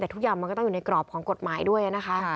แต่ทุกอย่างมันก็ต้องอยู่ในกรอบของกฎหมายด้วยนะคะ